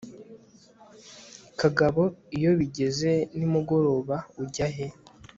kagabo iyo bigeze nimugoroba ujya he